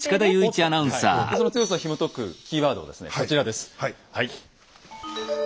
はいでその強さをひもとくキーワードはですねこちらです。